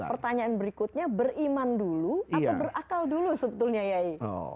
pertanyaan berikutnya beriman dulu atau berakal dulu sebetulnya yayi